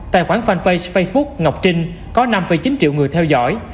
tài khoản fanpage facebook ngọc trinh có năm chín triệu người theo dõi